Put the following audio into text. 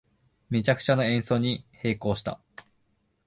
めちゃくちゃな演奏に閉口した